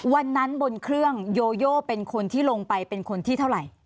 บนเครื่องโยโยเป็นคนที่ลงไปเป็นคนที่เท่าไหร่